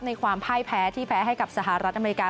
ความพ่ายแพ้ที่แพ้ให้กับสหรัฐอเมริกา